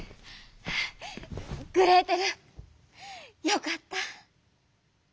「グレーテル！よかった」。